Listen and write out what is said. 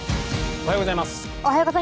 おはようございます。